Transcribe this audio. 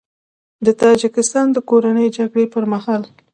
د تاجیکستان د کورنۍ جګړې پر مهال